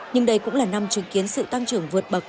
nhưng đây cũng là năm chứng kiến sự tăng trưởng vượt bậc